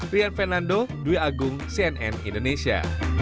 rian fernando dwi agung cnn indonesia